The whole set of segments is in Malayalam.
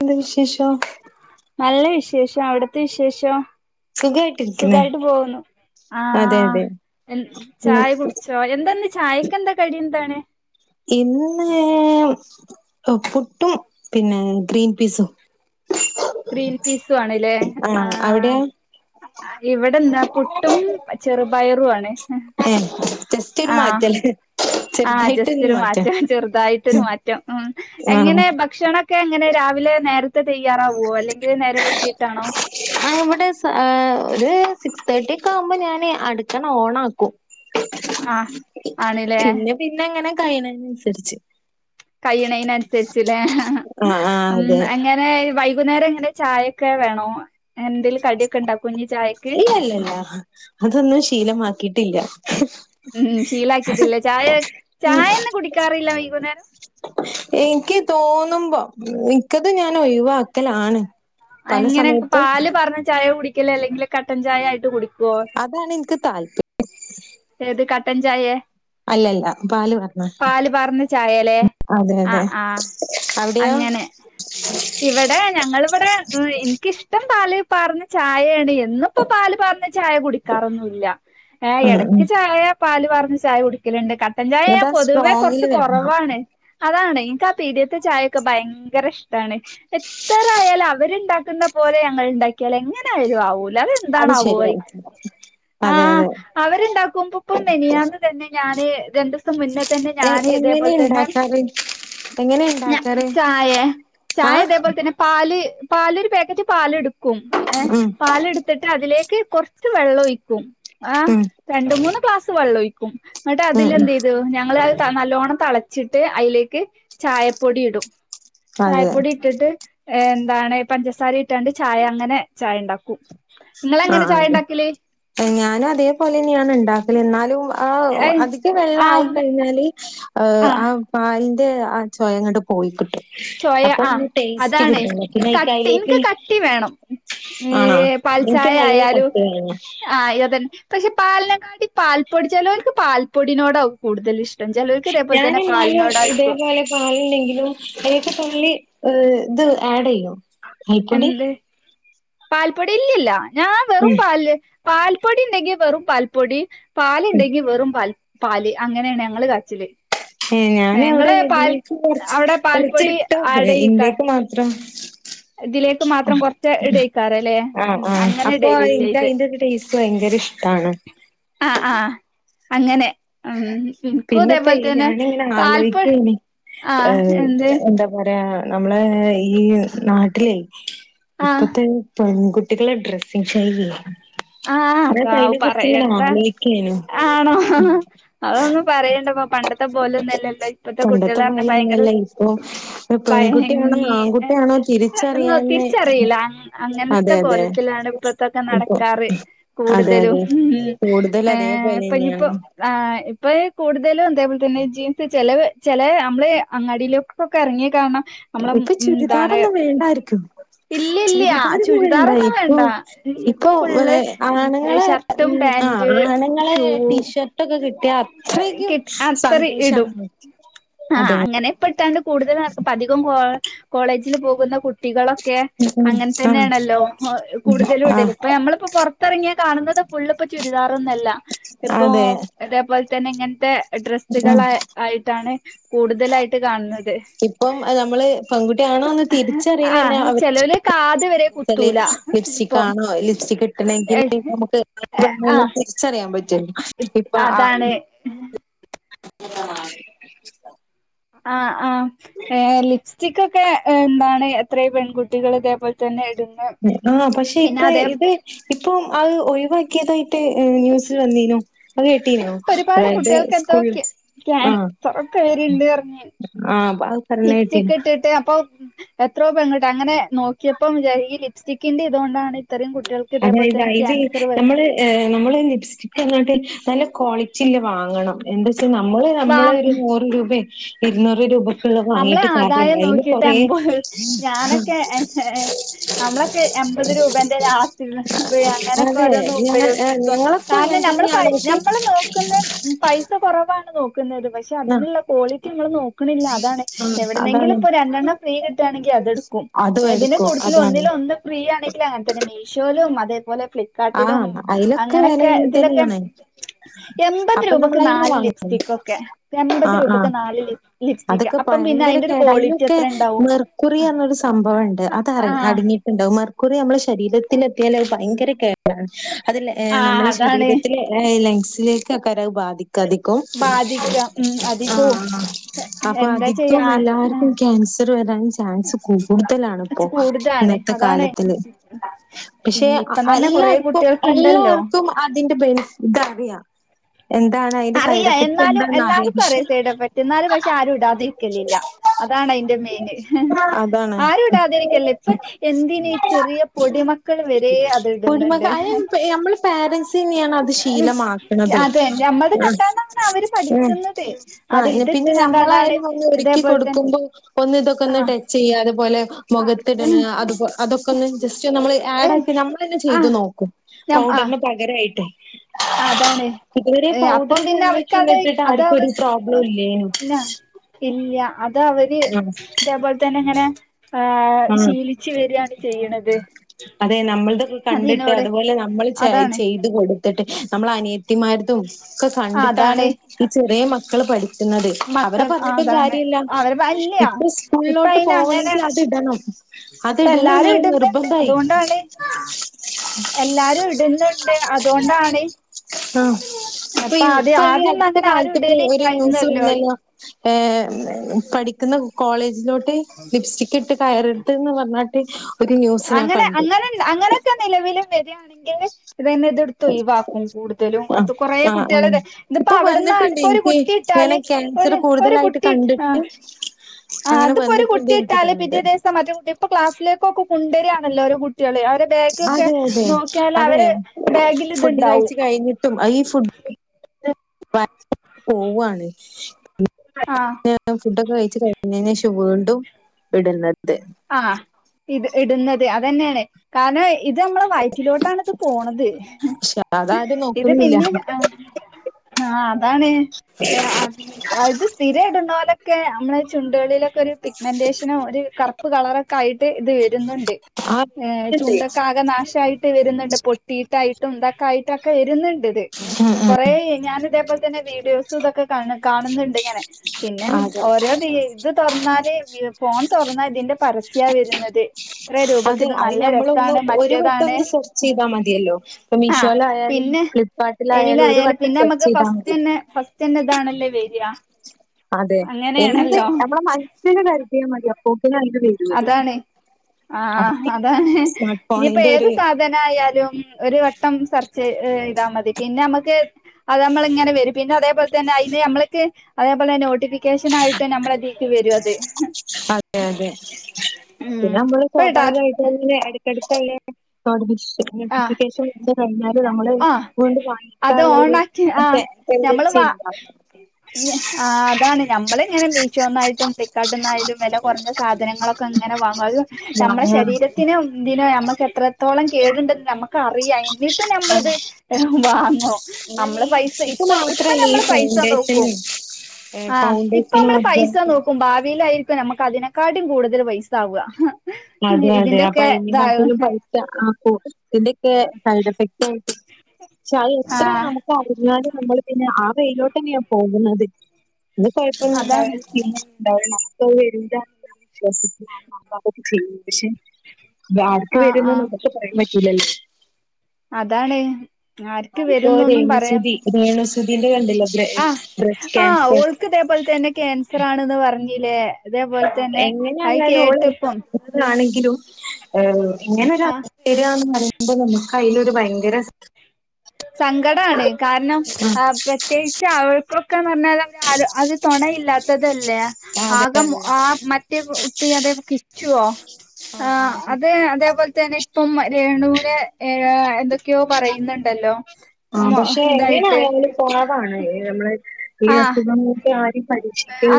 എന്താ വിശേഷം? നല്ല വിശേഷം അവിടത്തെ വിശേഷോ? സുഖമായിട്ടിരിക്കുന്. പോവുന്നു. ആഹ ഉം ചായ കുടിച്ചോ എന്താന്ന് ചായക്കെന്താ കടി എന്താണ്? ഇന്ന്. പുട്ടും പിന്നെ ഗ്രീൻ പീസും. ഗ്രീൻ പീസു ആണ്ല്ലേ ആ ആഹ് അവിടെയോ ഇവിടെന്താ പുട്ടും ചെറുപയറു ആണ്. ഏഹ് ജസ്റ്റ് ഒരു മാറ്റല്ലേ ചെറ്തായി റ്റൊര് മാറ്റം ചെറുതായിട്ടൊരു മാറ്റം ഉം ആഹ് എങ്ങനെ ബ ഭക്ഷണൊക്കെ എങ്ങനെ രാവിലെ നേരത്തെ തയ്യാറാവോ അല്ലെങ്കിൽ നേരം വൈകിട്ടാണോ? ആ ഇവിടെസ്‌ ഒര് സിക്സ് തേട്ടി ഒക്കെ ആമ്പോ ഞാന് അടുക്കള ഓണാക്കും. ആഹ് ആണ്ല്ലേ പിന്നെ പിന്നെ എങ്ങനെ കഴ്ണെനസര്ച്ച്. കയ്യണെനൻസര്ച്ച്ലെ ആഹ് ആഹ് ഉം അതെ അങ്ങ ങ്ങെ വൈകുന്നേരം ഇങ്ങനെ ചായയൊക്കെ വേണോ എന്തെങ്കിലു കടിയൊക്കെണ്ടാകൊ ചായക്ക്. ല്ലല്ലല്ല. അതൊന്നും ശീലമാക്കിട്ടില്ല. ഉം ശീലാക്കിട്ടില്ല ചായ ചായൊന്നു കുടിക്കാറില്ല വൈകുന്നേരം. ഇൻക്ക് തോന്നുമ്പോ ഇൻ ക്കത് ഞാൻ ഒയിവാക്കലാണ് പല സമയത്തും. പർഞ്ഞ ചായ കുടിക്കലേ അല്ലെങ്കില് കട്ടൻ ചായായിട്ട് കുടിക്കോ അതാണ് ഇൻക്ക് താല്പ ഏത് കട്ടൻ ചായെ അല്ലല്ല പാല് പറഞ്ഞ പാർന്ന ചായലേ ഉം അതെ അതെ ആഹ് ആഹ് അവിടയൊ അങ്ങനെ ഇവിടെ ഞങ്ങളിവിടെ ഇൻക്കിഷ്ടം പാല് പാർന്നാ ചായേണ് എന്നും ഇപ്പൊ പാല് പാർന്ന ചായ കുടിക്കാറൊന്നുല്ല ഏ ഉം ഉം എടക്ക് ചായ പാല് പാർന്ന ചായ കുടി ല്ണ്ട് കട്ടൻ ചായ എന്നിട്ട് ഞാന് ആ പൊതുവേ കൊർച്ച് സ്ട്രോങ്ങില് വരണം കൊറവാണ്. അതാണ് ഇൻക്ക് ആ പീഡിയെത്തെ ചായയൊക്കെ ഭയങ്കരഷ്ടാണ്. എത്ര ആയാലു അവര്ണ്ടാക്കുന്ന പോലെ ഞങ്ങൾ ഇണ്ടാക്കിയല് എങ്ങനെയാലും ആവുല്ല അത് ന്തണാവോ വൈ അതെ ആഹ് അതെ അവര്ണ്ടാക്കുമ്പ ഇപ്പൊ മെനിയാന്ന് തന്നെ ഞാന് രണ്ടു സം മുന്നേ തന്നെ എ ഞാന് എങ്ങനെ ഇതേപോൽന്നെ ഇണ്ടാക്കാറ് എങ്ങനെ ഞ ഇണ്ടാക്കാറ് ചായേ, ചായ ആഹ് ഇതേപോലെത്തെന്നെ പാല് പാലലൊര് പേക്കറ്റ് പാല് എടുക്കും ഏ ഉം പാല് എട് ത്തിട്ട് അതിലേക്ക് കൊറച്ച് വെള്ളാഴിക്കും ആഹ് ഉം രണ്ട് മൂന്ന് ക്ലാസ് വെള്ളൊഴിക്കും എന്നട്ട് ഉം അതില് ഉം എന്തെയ്തു ഞങ്ങള് അത് നല്ലോണ്ണം തളച്ചിട്ട് അയ്ലേക്ക് ചായപ്പൊടി ഇടു. അതെ ചായപ്പൊടി ഇട്ടിട്ട് ഏ എന്താണ് പഞ്ചസാര ഇട്ടാണ്ട് ചായ അങ്ങനെ ചായ ഇണ്ടാകും ഇങ്ങളങ്ങനെ ചായ ഇണ്ടാക്കല് ഞാനു അതേപോലെന്നെയാണ് ഇണ്ടാക്കല് എന്നാലു ആ ഏഹ് അധിക ആഹ് വെള്ളായിക്കഴിഞ്ഞാല്. ഏഹ് ആഹ് ആ പാലിന്റെ ആ ചെയങ്ങട്ട് പോയിക്കിട്ടും ചോയ അപ്പൊ ആഹ് ടെയ്സ്റ്റ് അതാണ് കിട്ടുല്ല പിന്നെ ആയിക്ക് അയ്ക്ക് ഏ ആണോ പാല് ഇൻക്ക് നല്ല കട്ടിവേണം ആഹ് അതന്നെ പക്ഷെ പാലിനെക്കാട്ടിലും പാൽ പൊടി ചേലോൽക്ക് പാൽ പൊടിനോടാവു കൂടുതലിഷ് ട്ടം ചേലോൽക്ക് ഇതോപോലെത്തെന്നെ ഞാനെന്നാലും പാലിനോടായിരിക്കു. ഇതേപോലെ പാലില്ലെങ്കിലും അയ്ലെക്ക് തുള്ളി ഏഹ് ഇത് ആഡ്യും എന്ത് പാൽപ്പൊടി ഇല്ലില്ല ഞാൻ ഉം പാൽപ്പൊടിണ്ടെങ്കി വെറും പാൽപ്പൊടി ഉം പാല്ണ്ടെങ്കി വെറും പാല് പാല് അങ്ങനെണ് ഞങ്ങള് കാച്ചല് ഏ ഞാന് അവിടെ ഇങ്ങള് പാൽ ഇതിനെറ്റ് കൊർച് അവിടെ പാൽപ്പൊടി കൊറച്ചിട്ടേക്കും ആടെയ്ക്കാ ഇന്റേക്ക് മാത്രം ഇതിലേക്ക് മാത്രം കൊറച്ച് ഇടേക്കാരല്ലേ ആഹ് ഉം ആഹ് അങ്ങനെ അപ്പൊ ഇടലില്ല ഇൻക്ക് ഇത് അതിന്റെ ടെസ്റ്റ്‌ ഭയങ്കര ഇഷ് ട്ടാണ് ആഹ് ആഹ അങ്ങനെ ഉം ഇൻക്കും പിന്നെ ഇപ്പൊ ഇതേപോലെ തന്നെ ഞാനിങ്ങനെ പാൽപ്പ ആലോയിക്കെനി ഏ ആഹ് എന്ത് എന്താ പറയാ നമ്മളെ ഈ നാട്ടിലെ ആഹ് ഇപ്പത്തെ പെൺകുട്ട ട്ടികളെ ഡ്രെസിങ് ചെയ്യ ആഹ് കാവൂ പറയണ്ട ആലോയിക്കേനു ആണോ അതൊന്നും പറ പറയണ്ടപ്പോ പണ്ടത്തെ പോലൊന്നെല്ല ഇപ്പത്തെ പണ്ടത്തെ കുട്ട്യാള് പറഞ്ഞ ഭയങ്കര പോലെയൊന്നല്ല ഇപ്പൊ പെൺകുട്ടിയാണോ പയങ്ങി ഏ ആൺകുട്ടിയാണോ തിരിച്ചറിയാന് തിരിച്ചറില്ല അ അങ്ങനത്തെ അതെ അതെ കോലത്തിലാണ് ഇപ്പ ഇതൊക്കെ ഇപ്പൊ നടക്കാറ് അതെ കൂടുതലും അതെ ഉം കൂടുതൽ ഏ ഇപ്പൊ ഇനിയിപ്പോ അതേപോലെന്നെയാണ് ആഹ് ഇപ്പൊ കൂടുതലും ഇതേപോലത്തെന്നെ ജീൻസ് ചെിലവ് ചെലെ നമ്മള് അങ്ങാടിയിലൊക്ക് ഇപ്പൊക്കെ ഇറങ്ങികാണണം ഇപ്പൊ ചുരിദാറൊന്നും വേണ്ടായിരിക്കും ഇല്ല ഇല്ല ചുരിദാറോന്നും വേണ്ട ചുരിദാറൊന്നും ഇപ്പൊ വേണ്ട ഇ ഇപ്പൊ ആണുങ്ങളെ ഷർട്ടും ഉം പാന്റ് ആഹ് ആണുങ്ങളെ ടീഷർട്ട് ഒക്കെ കിട്ടിയ അപ്പ് കി അത്ര ഇടും ആഹ അതെ അങ്ങനെ പ്പെട്ടാണ്ട് കൂടുതലും അധികം കോ കോളേജിൽ പോകുന്ന കുട്ടികളൊ ക്കെ ഉം അങ്ങനെ ആഹ് തന്നെയാണല്ലോ കൂടുതലും ഇടല് ആഹ് ഇപ്പൊ ഞമ്മളിപ്പോ പുറത്തിറങ്ങിയാ കാണുന്നത് ഫുള്ളും ഇപ്പൊ ചുരിദാറൊന്നല്ല ഇപ്പൊ അതെ ഇതേപോലെ തന്നെ ഇങ്ങനത്തെ ഉം ഡ്രെസ്സുകളെ ആയിട്ടാണ് കൂടുതലായിട്ട് കാണുന്നത് ഇപ്പം നമ്മള് പെൺകുട്ടിയാണോന്ന് തിരിച്ചറിലെന്നെ ആഹ് അവ ചെലോല് കാത് വരെ കുത്തൂല ലിപ്സ്റ്റിക് ഇപ്പം ആണോ ലിപ്സ്റ്റിക് ഇട്ടന് [unintelligible] നമുക്ക് ആഹ് തിരിച്ചറിയാൻ പറ്റല്ലോ ഇപ്പൊ അതാണ് [unintelligible] [unintelligible] ആഹ ആഹ ഏഹ് ലിപ്സ് ലിപ്സ്റ്റികൊക്കെ എന്താണ് എത്രയും പെൺകുട്ടികൾ ഇതേപോലെ തന്നെ ഇടുന്ന ആഹ് പക്ഷെ ഇപ്പ ഇത് ഇപ്പം അത് ഒഴിവാക്കിയതായിട്ട് ന്യൂസിൽ വന്നീനു അത് കേട്ടീനോ ഇപ്പോ ഒരുപാട് അതായത് കുട്ടികൾക്കെന്തോ സ്കൂളിൽ ആഹ് ക്യാൻസാറോക്കെ വരുണ്ട് പറഞ്ഞ് ആഹ് അത് പറഞ്ഞ ലിപ്സ്റ്റിക് കേട്ടീനു ഇട്ടിട്ട് അപ്പൊ എത്രോ പെൺകുട്ട് അങ്ങനെ നോക്കിയപ്പം ഈ ലിപ്സ്റ്റിക്കിന്റെ ഇതോണ്ടാണ് ഇത്രയും കുട്ടികൾക്ക് ഇതേപോലെ അതായത് തന്നെ അയില് ക്യാൻസർ നമ്മള് വരുന്നത് ഏഹ് നമ്മള് ലിപ്സ്റ്റിക്ക ഇങ്ങട്ട് നല്ല ക്വാളിറ്റിള്ള വാങ്ങണം എന്താ നമ്മള് വാ നമ്മളെ ഒരു നൂറ് രൂപേ ഇരുന്നൂറ് രൂപക്കുള്ള നമ്മളെ വാങ്ങീട്ട് കാര്യല്ല ആദായം അതിന് നോക്കിയിട്ട് കൊറെ അമ്പത് ഞാനൊക്കെ നമ്മളൊക്കെ എമ്പത് രൂപേന്റെ ഡാസ്ലർ അങ്ങനെയൊക്കെ അതെ ഓരോന്ന് ഞങ്ങ ഉപയോഗിക്കും ഞങ്ങളൊക്കെ കാരണം അങ്ങനെ നമ്മൾ പ തന്നെയാണ് പക്ഷെ നമ്മള് നോക്കുന്ന ഉം പൈസ കുറവാണ് നോക്കുന്നത് പക്ഷെ ആഹ് അതിനുള്ള ക്വാളിറ്റി നമ്മൾ നോക്ക നോക്കണില്ല അതാണ് ആഹ് എവിടുന്നെങ്കിലും അതാണ് ഇപ്പൊ ഒരു രണ്ടെണ്ണം ഫ്രീ കിട്ടാണെങ്കിൽ അതെടുക്കും അതും ഏതിന്റെ എടുക്കും കൂട്ടത്തിൽ അതാണ് ഒന്നിലും ഒന്ന് ഫ്രീ ആണെങ്കിൽ അങ്ങനെ തന്നെ മീഷോയിലും അതേപോലെ ഫ്ലിപ്പ് ഫ്ളിപ്കാട്ടിലും ആഹ് അയിലൊക്കെ അങ്ങനൊക്കെ വെല അങ്ങൻ ഇതിലൊക്കെ തന്നെയാണ് എൺപത് അപ്പൊ രൂപക്ക് നമ്മളയിന്ന് നാല് വാങ്ങും ലിപ്സ്റ്റിക് ഒക്കെ എൺപത് ആഹ് രൂപക്ക് ആഹ് നാല് ലിപ്സ്റ്റിക് ലിപ്സ്റ്റിക് അതൊക്കെ അപ്പം പിന്നെ ഭയങ്കര അതിന്റെ ഒരു കേടാ ക്വാളിറ്റി അയിലൊക്കെ എത്ര ഉണ്ടാവും മെർക്കുറി ആഹ് ണ്ടകും മർക്കൂറി നമ്മളെ ശരീരത്തിത്തില് എത്തിയാൽ അത് ഭയങ്കര അതില്ലേ ആഹ് നമ്മളെ അതാണ് ശരീരത്തിലെ ലങ്സിലേക്ക് ഒക്കെരം അത്‌ ബാധിക്ക ബാധിക്കും ബാധിക്കുക ഉം അധികവും ആഹ അപ്പൊ എന്താ ചെയ്യാ അധികം എല്ലാർക്കും ക്യാൻസർ വരാൻ ചാൻസ് കൂടുതലാണ് ഇപ്പോ കൂടുതലാണ് ഇന്നത്തെ അതാണ് കാലത്തില് പക്ഷെ ഇപ്പം തന്നെ കൊറേ എല്ലാർക്കും കുട്ടികൾക്ക് ഉണ്ടല്ലോ എല്ലാർക്കും അതിന്റെ ബെനിഫിറ്റ് ഇത് അറിയാം എന്താണ് അതിന്റെ അറിയ സൈഡ് എഫക്ട് എന്നാലും എന്താന്ന് അറിയാം എല്ലാർക്കും അറിയ പക്ഷെ സൈഡ് എഫക്ട് എന്നാലും പക്ഷെ ആരും ഇടാതെ ഇരിക്കലില്ല അതാണ് അതിന്റെ മെയിന് അതാണ് ആരും ഇടാതിരിക്കല്ലേ ഇപ്പൊ എന്തിന് ചെറിയ പൊടിമക്കൾ മക്കൾ വരെ അത് ഇടും പൊടി മക്ക അത് നമ്മള് പാരൻറ്സ് തന്നെയാണത് അത് ശീലമാക്കണതും അതെ ഞമ്മളത് ആഹ് കണ്ടാണ്ടാണ് അവര് ഉം പഠിക്കുന്നത് അത് ആഹ് ഇതിട്ട് പിന്നെ കണ്ടാണ്ടാണ് ഞമ്മളായാലും ഒന്ന് ഒരുക്കി ഇതേപോലെ തന്നെ കൊടുക്കുമ്പോ ഒന്ന് ഇതൊക്കെ ഒന്ന് ആഹ് ട്ടേ ചെയ്യ അതുപോലെ മുഖത്തിട്ണ അദ്പോ അതൊക്കെ ഒന്ന് ജസ്റ്റ് ഒന്ന് നമ്മള് ഏഹ് ആഡാക്കി നമ്മ ചെയ്ത് ആഹ് നോക്കും ഞം ആഹ് പൗഡറിന് പകരായിട്ടേ അതാണ് ഏഹ് അപ്പം പിന്നെ കൺവെക്ഷനും അവർക്ക്ത് ഇട്ടിട്ട് അത ആർക്കും ഒരു പ്രോബ്ലം ഇല്ലേനു അവന്നാ ഇല്ല അത് അവര് ആഹ് ഇതേപോലെ തന്നെ ഇങ്ങനെ ആഹ ആഹ് ശീലിച്ച് വരാണ് ചെയ്യണത് അതെ അതിനോട് ച്ചായി അതാണ് ചെയ്ത് കൊടുക്കും ത്തിട്ട് നമ്മളെ അനിയത്തിമാരതും ഒക്കെ കണ്ടിട്ടാണ് അതാണ് ഈ ചെറിയ മക്കൾ പടി ക്ക്‌ന്നത് അവരെ മക്കൾ പറഞ്ഞിട്ടും അതാണ് കാര്യല്ല അവര് വല്യ ഇപ്പ സ്കൂളിലോട്ട് അയിന് പോകണെങ്കിൽ അങ്ങനെയാണ് ഇത് ഇടണം അത് ഇപ്പ ഇടണം എല്ലാരും എന്നുള്ള ഇടുന്ന്ണ്ട് നിർബന്ധായി. അതോണ്ടാണ് എല്ലാരും ഇടുന്നുണ്ട് അതോണ്ടാണ്. ആ ഇപ്പോ ഇപ്പോ ഈ ആദ്യൊന്നും അടുത്ത- അങ്ങനെ ആരും കാലത്ത് ഇപ്പോ ഒരു ന്യൂസ് ഇടലില്ലായിരുന്നല്ലോ വന്നല്ലോ. ഹേ പഠിക്കുന്ന കോളേജിലോട്ട് ലിപ്സ്റ്റിക്- റ്റിട്ട് കയറരുത് പറഞ്ഞാട്ട്. ഒരു ന്യൂസ് ഞാൻ അങ്ങനെ, കണ്ടു. അങ്ങനെ, അങ്ങയൊക്കെ നിലവില് വരിയാണെങ്കിൽ ഇതന്നെ, ഇതെ- ത്ത് ഒഴിവാക്കും, കൂടുതലും ആഹ് അത് കുരെ ആഹ് ആഹ് കുട്ടികൾതെ ഇതിപ്പോ, ഇപ്പൊ അവിടുന്നാണ് വന്നിട്ടുണ്ട് ഇപ്പോ ഒരു എനിക്ക് കുട്ടി- ട്ടൽ ഇങ്ങനെ ക്യാൻസർ ഒരു, ഒരു കൂടുതലായിട്ട് കുട്ടി ആഹാ.. കണ്ടിട്ട് ആ അങ്ങനെ അതിപ്പോ ഒരു വന്നിട്ടുണ്ട് കുട്ടി എനിക്ക് ഇട്ടാല് തോന്നുന്നുണ്ട് പിദ്യാദേസം മറ്റെ കുട്ടിപ്പ ക്ലാസ്സിലേക്കൊക്കെ കൊണ്ടുവരികയാണല്ലോ? ഒരേ കുട്ടിൾ അവരെ. ബാഗൊക്കെ അതെ അതെ നോക്കിയാൽ, അതെ അവരെ ബാഗിൽ ഇത്ണ്ടാവും. ട്ടും ഈ ഫുട്- [unintelligible] പോവാണ്. ആ [unintelligible] ഫുഡക്കെ കഴിച്ചു കഴിഞ്ഞതിനന്- ശേഷം വീണ്ടും ഇടുന്നത്. ആഹാ ഇത് ഇടുന്നത്. അതന്നെയാണ്. കാരണം ഇത് നമ്മള വയറ്റിലോട്ടാണ് ഇത് പോണത്. പക്ഷെ അതാരും ഇത് നോക്കുന്നില്ല പിന്നെ ആഹാ.. ആഹാ അതാണ് ഹേ അത് സ്- സ്ഥിരം ഇടുന്നലൊക്കെ നമ്മെ- ചുണ്ടുക്കള്ളിയിലൊക്കെ ഒരു പിഗ്മെന്റേഷനും, ഒരു ക- രുപ്പ് കളറൊക്കെ ആയിട്ട് ഇത്- വരുന്നുണ്ട് ആ ഉം വരുന്നുണ്ട് ചുണ്ടൊക്കെ ആകെ നാശമായിട്ട് വരുന്നുണ്ട്. പൊട്ടിയിട്ടായിട്ടും, തെക്കൊയിട്ടൊക്കെ വരുന്നുണ്ട് ഇത്, ഉം ഉം കൊറ ഞാന ഇതേപോലെ, ന്നെ വീഡിയോസ് ഇതൊക്കെ- കാണുന്നുണ്ട് ഇങ്ങനെ പിന്നെ അതെ ഓരോ തി- ഇത് തുറന്നാല് വി, ഫോൺ തുറന്നാ ഇതിന്റെ പരസ്യ വരുന്നത്. ഇത്ര രൂപക്ക് അതെ ഇത് അത് നല്ല ഞമ്മളൊന്ന് രസമാണ്, ഒരു വട്ടം മറ്റേതാണ് ഒന്ന് സെർച്ച് ചെയ്താ മതിയല്ലോ. ഇപ്പൊ ആഹാ മീഷോയിലായാലും പിന്നെ ഫ്ലിപ്കാർട്ടിലായാലും ഒരു എയിആയാല് വട്ടം പിന്നെ സെർച്ച് നമുക്ക്, ചെയ്താ മതി. ഫസ്റ്റ്ന്നെ ഫസ്റ്റ്ന്നെതാണല്ലേ വേര. അതെ എന്ത്? നാമ്മടെ മനുഷ്യന് കരുത്തിയാൽ മതി അപ്പോക്കിനെ അയിൽ വരും. അതാണ് ആഹാ അത്. ആഹാ അതാണ് സ്മാർട്ട് നീയിപ്പ ഫോണിന്റെ ഏത് ഒരു സധ- ദനായാലും ഒരു വട്ടം സെർച്ച്യ്താ- മതി പിന്നെ നമുക്ക്, അത് നമ്മള ഇങ്ങനെ വരും പിന്നെ അതേപോലെന്നെ അയിന് നമ്മൾക്ക് അതേപോലെന്നെ- നോട്ടിഫ- കശനായിട്ട് നമ്മളുടെതിക്ക് വരും അത്. അതെ, അതെ ഉം പിന്നെ നമ്മള് ഇപ്പ ടാ സ്വാഭാവികമായിട്ട. ഒന്ന് ഇടക്ക ഇടക്കല്ലെ? [unintelligible] ആഹ് നോട്ടിഫിക്കേഷൻത് കഴിഞ്ഞാല്, നമ്മള് ആഹ് അണ്ട് അത് വാങ്ങിക്കാനുള്ള ഒരു- അതെ റ്റൻറ്റസിണ്ട. ഇല്ല ആ അതാണ് ഞമ്മള ഇങ്ങനെ മിശോന്നായിട്ടും, ഫിക്ക്കാട്ടി ന്നായാലും വെല കുറഞ്ഞ സാധനങ്ങളൊക്കെ ഇങ്ങനെ വാങ്ങും, അത് നമ്മുടെ വാങ്ങണം. ശരീരത്തിനന് ഇതിനോ നമ്മുക്ക് എത്ര- എത്രത്തോളം കേടുണ്ടെന്ന് നമുക്ക്- അറിയാം, എന്നിട്ടും നമ്മളിത്. ആഹ് അതന്നെ നമ്മള് ഈ പൈസ, ലിപ്സ്റ്റിക്ക് ഇപ്പ ഇപ്പ മാത്രല്ല ഈ നമ്മള് പൈസ നോക്കും. ഫൗണ്ടേഷനും ആഹ് ഇപ്പ ഫൗണ്ടേഷൻ നമ്മള് വർഗം പൈസ നോക്കും, ഭാവിയിൽ- നമ്മുക്ക് അതിനെക്കാട്ടും കൂടുതൽ പൈസാവുക. അതെ അതെ അപ്പോ അതിന കാട്ടിലും പൈസ- ആ ഫുഡി ഇതിന്റെക്കെ സൈഡ് എഫക്ട് ആയിട്ട്, പക്ഷെ അ ആ എത്ര നമ്മുക്ക്- പറഞ്ഞാല് നമ്മൾ പിന്നെ ആഹാ വെയിലോട്ട് തന്നെയാ പോകുന്നത്. അത് കുഴപ്പൊന്ന അതാണ് ഉണ്ടാവില്ല. സ്കിന്നിണ്ടാവില്ല നമുക്കത്- [unintelligible] വിശ്വസിക്ക നമ്മ- പക്ഷെ ആർക്ക് ആ ആ വരുന്നതൊക്കെ- പറയാൻ പറ്റൂല്ലലോ. അതാണ്. ആർക്ക് അതിപ്പോ വരുന്നൊന്നും പറയാം രേണുസുതി രേണുസുതിന്റെ കണ്ടില്ലേ ബ്ര ആഹാ ബ്രസ്റ്റ് ആഹാ ക്യാൻസർ ഓല്- ഇതേപോലെ തന്നെ ക്യാൻസർ ആണന്ന് പറഞ്ഞില്ലേ? അതേപോലെ തന്നെ അത് എങ്ങനെയുള്ളരു ഓൾ- കേട്ടപ്പം ഇതാണെങ്കിലും ഏഹ് ഇങ്ങനെ- ആഹ് ശരിയാന്ന് പറയുമ്പോൾ നമ്മുക്ക്- അയ്ലൊരു ഭയങ്കര- സങ്കടാണ് കാരണം ആഹാ പ്രത്യേ- ക്ഷേ അവൾക്കൊക്കെന്ന്- പറഞ്ഞാൽ അത അത്, തുണയില്ലാത്തത്- ഇതല്ലേ അതെ അതെ ആകെ ആഹാ മറ്റേ കുട്ടി അതെ കിച്ചുവോ? ആഹ് അതേ അതേപോലെ തന്നെ ഇപ്പം രേണുവിനെ ഏ എന്തൊക്കെയോ പറയുന്നുണ്ടല്ലോ. ആ മോ പക്ഷെ ഇതായിട്ട് എങ്ങനെആയാലും പാവമാണ്. നമ്മള് ഈ ആഹ് അസുഖക്കെ ആരെയും പരീ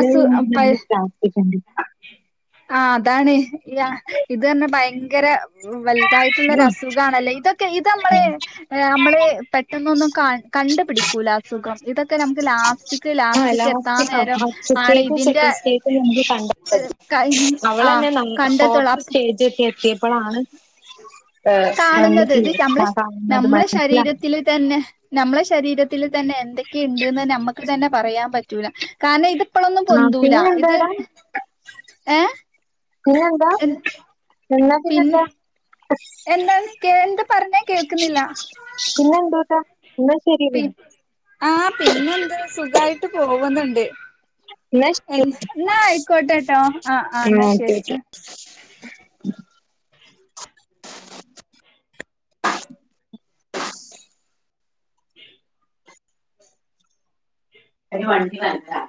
അസു പ നമ്മുക്ക് പ്രാർത്ഥിക്കേണ്ടി ആ അതാണ് ഇത് തന്നെ ഭയങ്കര വല്ലാ ഇതായിട്ടുള്ള അസുഖാണല്ലേ ഇതൊക്കെ ഇത് നമ്മള് നമ്മള് പെട്ടെന്നൊന്നും കണ്ടുപിടിക്കൂല അസുഖം ഇതൊക്കെ നമ്മുക്ക് ലാസ്റ്റിക് ആഹ് ലാസ്റ്റിക് എത്താൻ നേരം ആണ് ഇതിന്റെ കഴിഞ്ഞ് [unintelligible] അവളെ ആഹ് ഞാൻ കണ്ടെത്തുള്ളൂ ഫോർത്ത് അപ്പ സ്റ്റേജ് ഒക്കെ എത്തിയപ്പോളാണ് കാണുന്നത് ഇത് നമ്മളെ കാണുന്നത് നമ്മളെ മനസ്സിലാക്കി ശരീരത്തില് തന്നെ നമ്മളെ ശരീരത്തിൽ തന്നെ എന്തൊക്കെയുണ്ട്ന്ന് നമ്മുക്ക് തന്നെ പറയാൻ പറ്റൂല. കാരണം ഇതിപ്പോളൊന്നും ആഹ് പൊന്തൂല പിന്നെ ഇത് എന്താടാ ഏ പിന്നെന്താ എന്നാ പിൻ പിന്നെന്താ? എന്താണ് ക്കേ എന്താ പറഞ്ഞേ കേൾക്കുന്നില്ല പിന്നെ എന്തൂട്ടാ പിന്നെ പി ആ പിന്നെന്ത് സുഖായിട്ട് പോവുന്നുണ്ട്. എന്നാ ശരി എന്ന എന്നാ ആയിക്കോട്ടെ കേട്ടോ ആഹ് ആ എന്നാ ഓക്കെ ശരി. ഓക്കെ [inaudible]